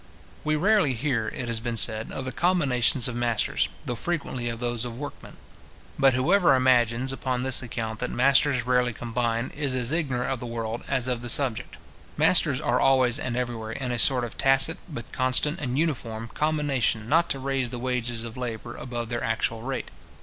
We rarely hear, it has been said, of the combinations of masters, though frequently of those of workmen. But whoever imagines, upon this account, that masters rarely combine, is as ignorant of the world as of the subject. Masters are always and everywhere in a sort of tacit, but constant and uniform, combination, not to raise the wages of labour above their actual rate.